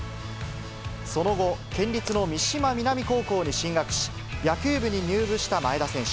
その後、県立の三島南高校に進学し、野球部に入部した前田選手。